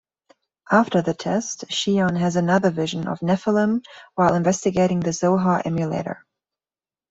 After the test, Shion has another vision of Nephilim while investigating the Zohar Emulator.